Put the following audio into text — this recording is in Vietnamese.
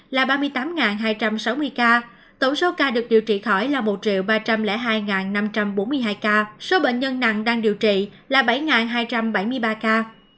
là ba mươi tám hai trăm sáu mươi ca tổng số ca được điều trị khỏi là một ba trăm linh hai năm trăm bốn mươi hai ca số bệnh nhân nặng đang điều trị là bảy hai trăm bảy mươi ba ca